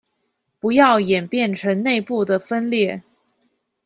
不要演變成内部的分裂